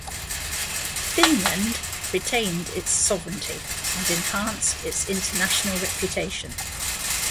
Finland retained its sovereignty and enhanced its international reputation.